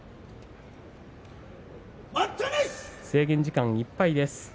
制限時間いっぱいです。